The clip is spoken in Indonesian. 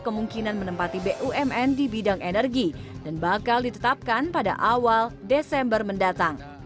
kemungkinan menempati bumn di bidang energi dan bakal ditetapkan pada awal desember mendatang